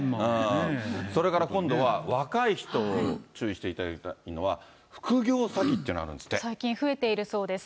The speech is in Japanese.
それから今度は、若い人、注意していただきたいのは、最近増えているそうです。